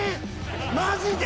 マジで！？